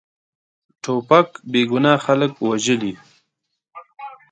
توپک بېګناه خلک وژلي.